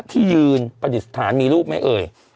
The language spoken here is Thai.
ที่ยืนประดิษฐานมีรูปไหมเอ่ย